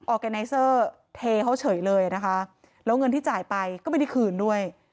แกไนเซอร์เทเขาเฉยเลยนะคะแล้วเงินที่จ่ายไปก็ไม่ได้คืนด้วย